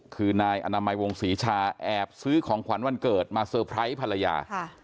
คือนายอนามัยวงศรีชาแอบซื้อของขวัญวันเกิดมาเซอร์ไพรส์ภรรยา